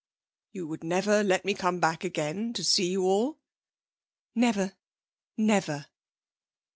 'You would never let me come back again to see you all?' 'Never. Never.'